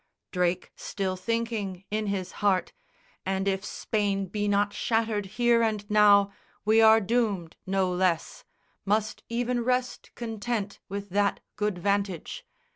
Drake, still thinking in his heart, "And if Spain be not shattered here and now We are doomed no less," must even rest content With that good vantage.